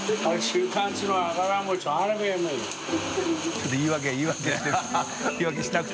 ちょっと言い訳言い訳してる。